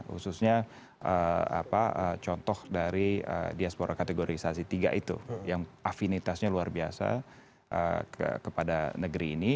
khususnya contoh dari diaspora kategorisasi tiga itu yang afinitasnya luar biasa kepada negeri ini